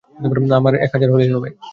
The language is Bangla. আমার এক হাজার হলেই হবে।